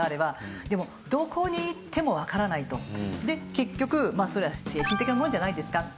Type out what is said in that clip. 結局それは精神的なものじゃないですか？